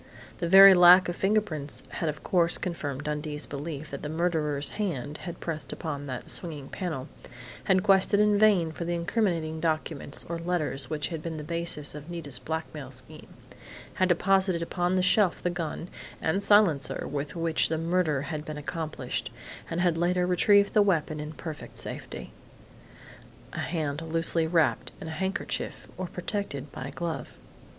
The very lack of fingerprints had of course confirmed Dundee's belief that the murderer's hand had pressed upon that swinging panel, had quested in vain for the incriminating documents or letters which had been the basis of Nita's blackmail scheme, had deposited upon the shelf the gun and silencer with which the murder had been accomplished, and had later retrieved the weapon in perfect safety. A hand loosely wrapped in a handkerchief or protected by a glove....